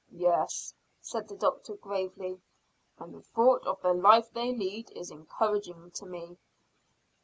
"Yes," said the doctor gravely, "and the thought of the life they lead is encouraging to me."